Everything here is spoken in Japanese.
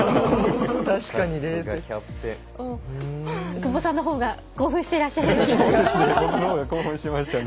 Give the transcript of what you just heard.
久保さんの方が興奮していらっしゃいますね。